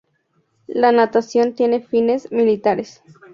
La natación tiene fines militares.